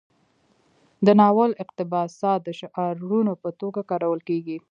د ناول اقتباسات د شعارونو په توګه کارول کیږي.